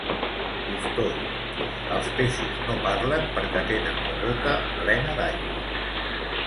Cousteau: els peixos no parlen perquè tenen la boca plena d'aigua